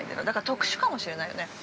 だから特殊かもしれないよね。